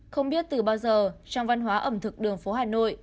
không biết từ bao giờ trong văn hóa ẩm thực đường phố hà nội